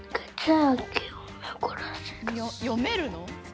よめるの？